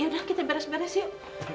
ya sudah kita beres beres yuk